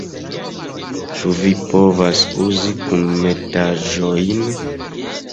- Ĉu vi povas uzi kunmetaĵojn?